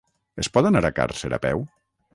Es pot anar a Càrcer a peu?